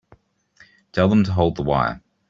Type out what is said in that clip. Tell them to hold the wire.